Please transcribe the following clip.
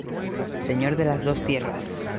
Señor de las dos tierras.